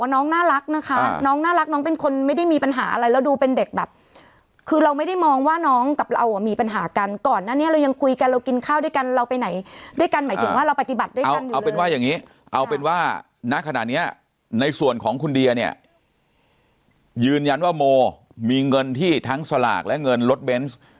น้องน่ารักนะคะน้องน่ารักน้องเป็นคนไม่ได้มีปัญหาอะไรแล้วดูเป็นเด็กแบบคือเราไม่ได้มองว่าน้องกับเราอ่ะมีปัญหากันก่อนหน้านี้เรายังคุยกันเรากินข้าวด้วยกันเราไปไหนด้วยกันหมายถึงว่าเราปฏิบัติด้วยกันเอาเป็นว่าอย่างนี้เอาเป็นว่าณขณะเนี้ยในส่วนของคุณเดียเนี่ยยืนยันว่าโมมีเงินที่ทั้งสลากและเงินรถเบนส์